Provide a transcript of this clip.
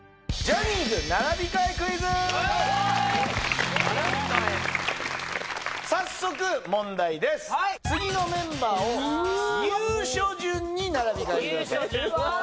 まず並び替え次のメンバーを入所順に並び替えてください